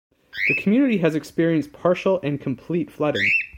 The community has experienced partial and complete flooding.